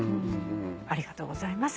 ありがとうございます。